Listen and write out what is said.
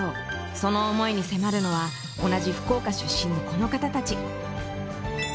その思いに迫るのは同じ福岡出身のこの方たち。